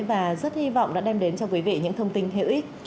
và rất hy vọng đã đem đến cho quý vị những thông tin hữu ích